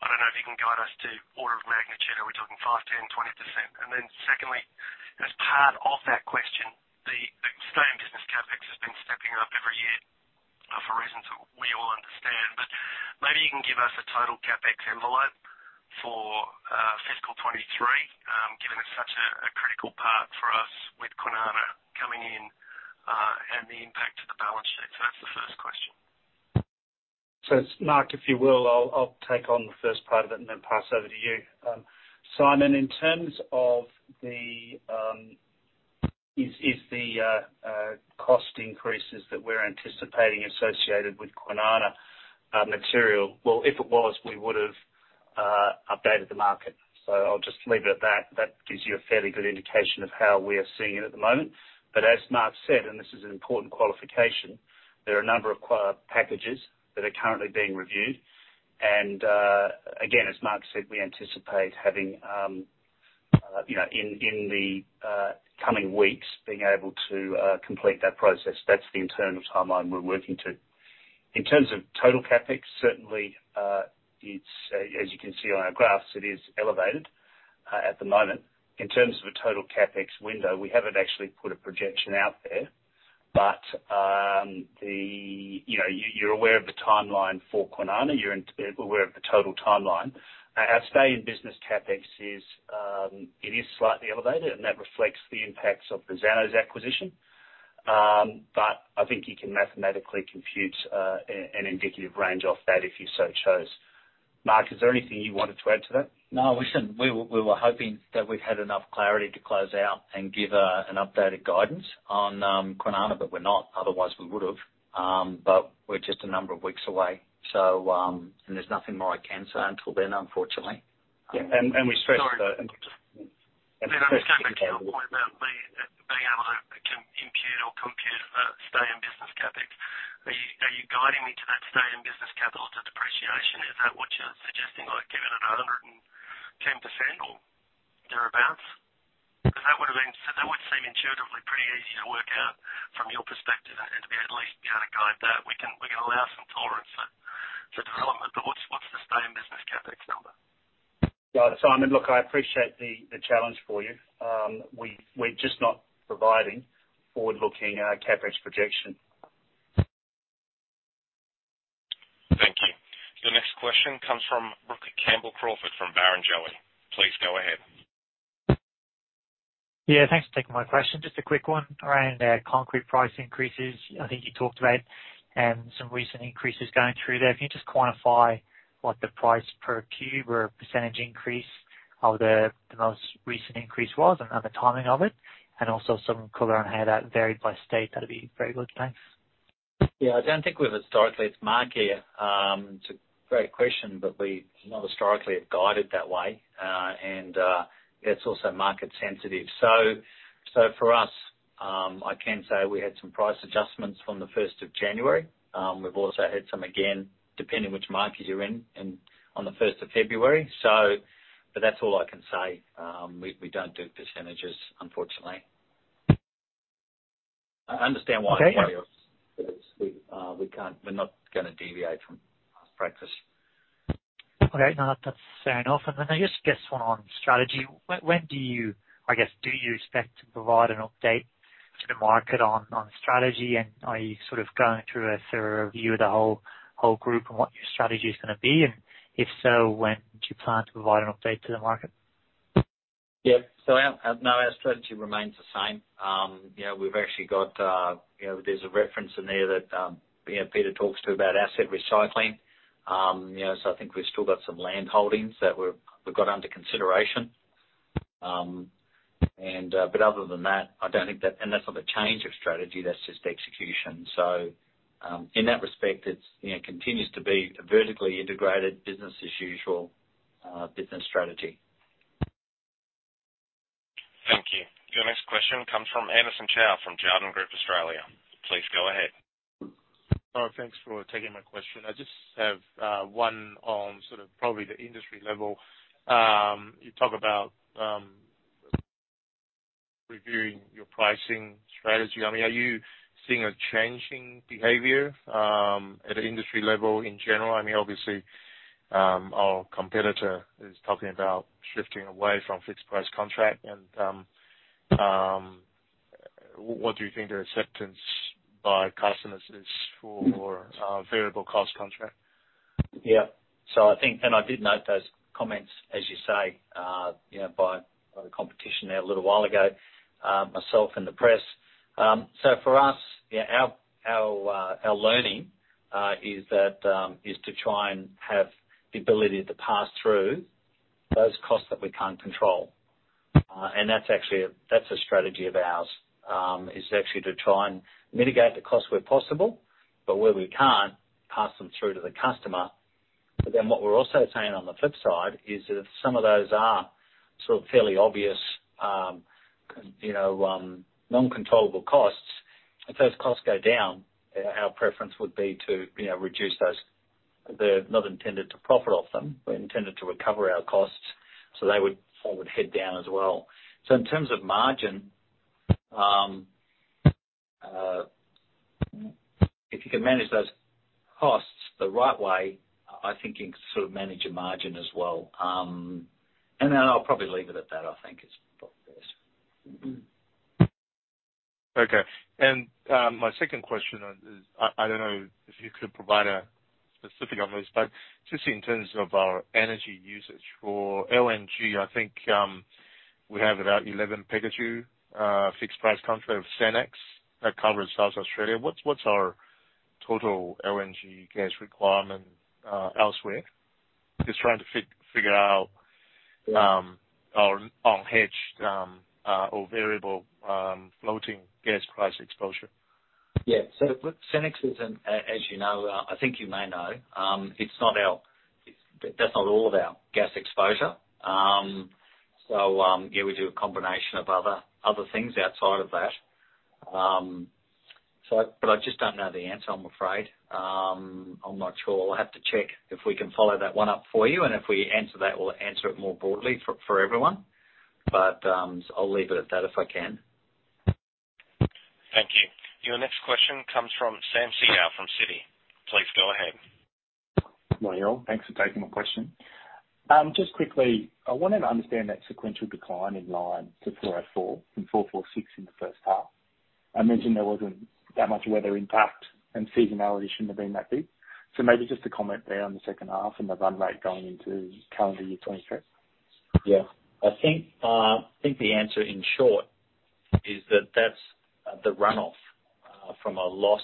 I don't know if you can guide us to order of magnitude. Are we talking 5%, 10%, 20%? Secondly, as part of that question, the Australian business CapEx has been stepping up every year for reasons we all understand. Maybe you can give us a total CapEx envelope for fiscal 2023, given it's such a critical part for us with Kwinana coming in, and the impact to the balance sheet. That's the first question. Mark, if you will, I'll take on the first part of it and then pass over to you. Simon, in terms of the cost increases that we're anticipating associated with Kwinana material, well, if it was, we would've updated the market. I'll just leave it at that. That gives you a fairly good indication of how we are seeing it at the moment. As Mark said, and this is an important qualification, there are a number of packages that are currently being reviewed. Again, as Mark said, we anticipate having, you know, in the coming weeks, being able to complete that process. That's the internal timeline we're working to. In terms of total CapEx, certainly, it's, as you can see on our graphs, it is elevated at the moment. In terms of a total CapEx window, we haven't actually put a projection out there. You know, you're aware of the timeline for Kwinana. You're aware of the total timeline. Our stay in business CapEx is slightly elevated, and that reflects the impacts of the Zanows acquisition. I think you can mathematically compute an indicative range off that if you so chose. Mark, is there anything you wanted to add to that? No, listen, we were hoping that we had enough clarity to close out and give an updated guidance on Kwinana, but we're not, otherwise we would have. We're just a number of weeks away, so, there's nothing more I can say until then, unfortunately. Yeah. Sorry. And stress. I'm just going back to my point about being able to compute, stay in business CapEx. Are you guiding me to that stay in business capital to depreciation? Is that what you're suggesting, like given it 110% or thereabout? Because that would seem intuitively pretty easy to work out from your perspective and to be at least be able to guide that. We can allow some tolerance for development, but what's the stay in business CapEx number? Well, Simon, look, I appreciate the challenge for you. We're just not providing forward-looking CapEx projection. Thank you. Your next question comes from Brook Campbell-Crawford from Barrenjoey. Please go ahead. Yeah, thanks for taking my question. Just a quick one around concrete price increases. I think you talked about some recent increases going through there. Can you just quantify what the price per cube or percentage increase of the most recent increase was and the timing of it? Also some color on how that varied by state. That'd be very good. Thanks. Yeah, I don't think we've historically. It's Mark here. It's a great question, but we've not historically have guided that way, and it's also market sensitive. For us, I can say we had some price adjustments from the 1st of January. We've also had some, again, depending on which market you're in, on the 1st of February. That's all I can say. We don't do percentages, unfortunately. I understand why. Okay. We can't, we're not gonna deviate from best practice. All right. No, that's fair enough. Then I just guess one on strategy. When do you, I guess, expect to provide an update to the market on strategy? Are you sort of going through a thorough review of the whole group and what your strategy is gonna be? If so, when do you plan to provide an update to the market? Yeah. Our strategy remains the same. You know, we've actually got, you know, there's a reference in there that, you know, Peter talks to about asset recycling. You know, so I think we've still got some landholdings that we've got under consideration. Other than that, I don't think that. That's not a change of strategy, that's just execution. In that respect, it's, you know, continues to be a vertically integrated business as usual business strategy. Thank you. Your next question comes from Anderson Chow from Jarden Australia. Please go ahead. Oh, thanks for taking my question. I just have one on sort of probably the industry level. You talk about reviewing your pricing strategy. I mean, are you seeing a changing behavior at an industry level in general? I mean, obviously, our competitor is talking about shifting away from fixed price contract, and what do you think the acceptance by customers is for variable cost contract? I think, and I did note those comments, as you say, you know, by the competition there a little while ago, myself and the press. For us, our learning is that is to try and have the ability to pass through those costs that we can't control. That's actually a, that's a strategy of ours, is actually to try and mitigate the cost where possible, but where we can't, pass them through to the customer. What we're also saying on the flip side is that some of those are sort of fairly obvious, you know, non-controllable costs. If those costs go down, our preference would be to, you know, reduce those. They're not intended to profit off them. We're intended to recover our costs, they would head down as well. In terms of margin, if you can manage those costs the right way, I think you can sort of manage your margin as well. I'll probably leave it at that, I think is probably best. Okay. My second question is, I don't know if you could provide a specific on this, but just in terms of our energy usage for LNG, I think, we have about 11 PJ fixed price contract with Senex that covers South Australia. What's our total LNG gas requirement elsewhere? Just trying to figure out our unhedged or variable floating gas price exposure. Yeah. Senex is as you know, I think you may know, that's not all of our gas exposure. Yeah, we do a combination of other things outside of that. I just don't know the answer, I'm afraid. I'm not sure. We'll have to check if we can follow that one up for you, and if we answer that, we'll answer it more broadly for everyone. I'll leave it at that if I can. Thank you. Your next question comes from Sam Seow from Citi. Please go ahead. Good morning, all. Thanks for taking my question. Just quickly, I wanted to understand that sequential decline in line to 404 from 446 in the first half. I mentioned there wasn't that much weather impact, and seasonality shouldn't have been that big. Maybe just a comment there on the second half and the run rate going into calendar year 2023. Yeah. I think the answer in short is that that's the runoff from a loss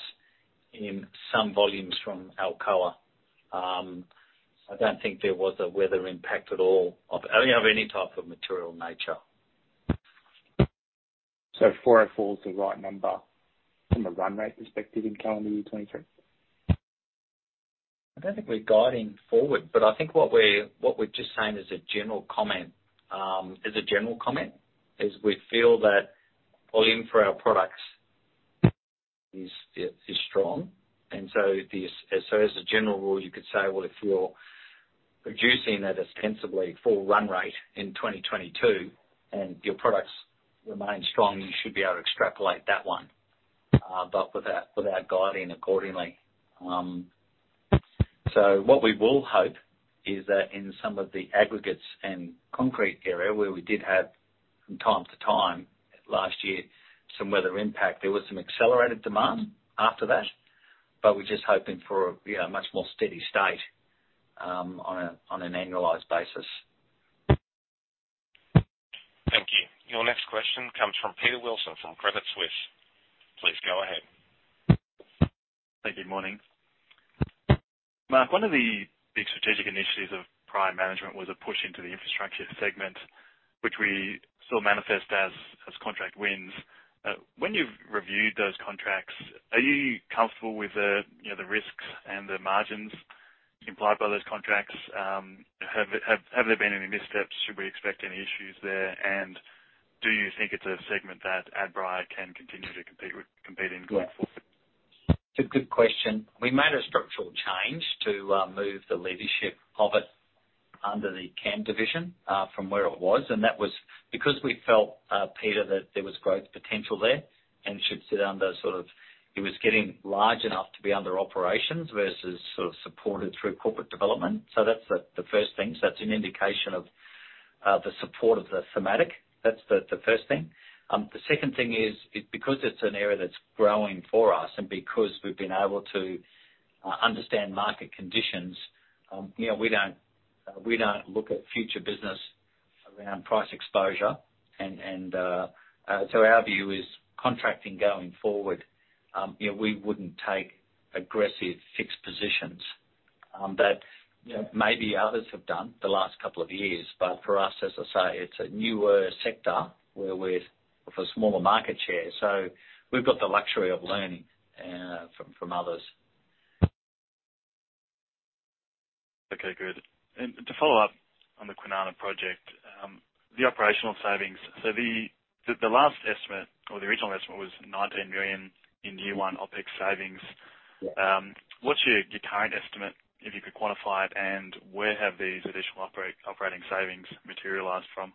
in some volumes from Alcoa. I don't think there was a weather impact at all of any type of material nature. 404 is the right number from a run rate perspective in calendar year 2023? I don't think we're guiding forward, but I think what we're just saying as a general comment, is we feel that volume for our products is strong. As a general rule, you could say, well, if you're reducing that ostensibly full run rate in 2022 and your products remain strong, you should be able to extrapolate that one, without guiding accordingly. What we will hope is that in some of the aggregates and concrete area where we did have from time to time last year some weather impact, there was some accelerated demand after that, but we're just hoping for, you know, a much more steady state, on an annualized basis. Thank you. Your next question comes from Peter Wilson from Credit Suisse. Please go ahead. Thank you. Morning. Mark, one of the big strategic initiatives of prior management was a push into the infrastructure segment, which we saw manifest as contract wins. When you've reviewed those contracts, are you comfortable with the, you know, the risks and the margins implied by those contracts? Have there been any missteps? Should we expect any issues there? Do you think it's a segment that Adbri can continue to compete in going forward? It's a good question. We made a structural change to move the leadership of it under the CAM division from where it was, and that was because we felt Peter, that there was growth potential there, and it should sit under. It was getting large enough to be under operations versus sort of supported through corporate development. That's the first thing. That's an indication of the support of the thematic. That's the first thing. The second thing is because it's an area that's growing for us and because we've been able to understand market conditions, you know, we don't, we don't look at future business around price exposure and so our view is contracting going forward, you know, we wouldn't take aggressive fixed positions, that, you know, maybe others have done the last couple of years. For us, as I say, it's a newer sector where we've a smaller market share, so we've got the luxury of learning from others. Okay, good. To follow up on the Kwinana project, the operational savings. The last estimate or the original estimate was 19 million in year one OpEx savings. Yeah. What's your current estimate, if you could quantify it, and where have these additional operating savings materialized from?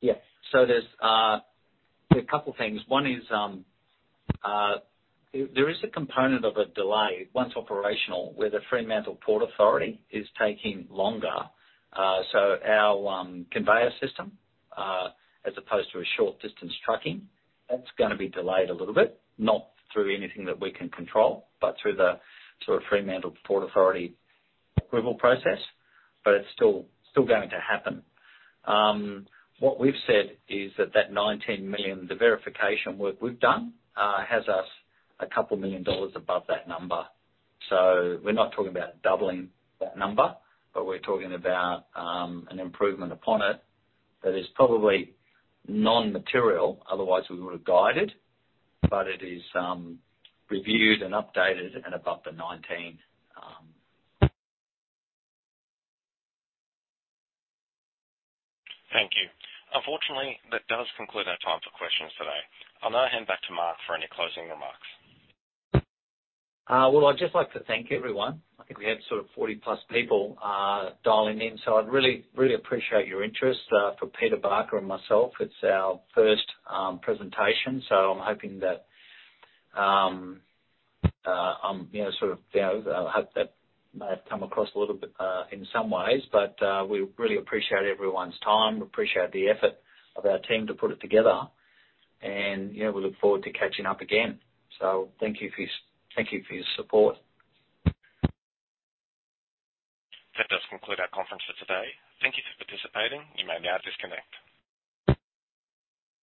Yeah. There's, there are a couple things. One is, there is a component of a delay, once operational, where the Fremantle Port Authority is taking longer. Our, conveyor system, as opposed to a short distance trucking, that's gonna be delayed a little bit, not through anything that we can control, but through the sort of Fremantle Port Authority approval process, but it's still going to happen. What we've said is that that 19 million, the verification work we've done, has us a couple million dollars above that number. We're not talking about doubling that number, but we're talking about, an improvement upon it that is probably non-material, otherwise we would have guided, but it is, reviewed and updated and above the 19 million. Thank you. Unfortunately, that does conclude our time for questions today. I'll now hand back to Mark for any closing remarks. Well, I'd just like to thank everyone. I think we had sort of 40+ people, dialing in, so I really, really appreciate your interest. For Peter Barker and myself, it's our first presentation, so I'm hoping that, you know, sort of, you know, hope that may have come across a little bit in some ways, but we really appreciate everyone's time. We appreciate the effort of our team to put it together and, you know, we look forward to catching up again. Thank you for your support. That does conclude our conference for today. Thank you for participating. You may now disconnect.